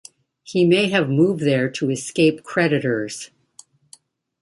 He may have moved there to escape creditors.